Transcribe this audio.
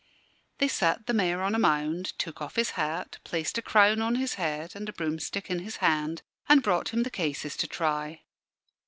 They sat the Mayor on a mound, took off his hat, placed a crown on his head and a broomstick in his hand, and brought him the cases to try.